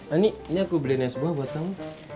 ani ini aku beli nasi buah buat kamu